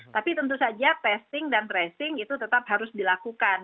tapi tentu saja testing dan tracing itu tetap harus dilakukan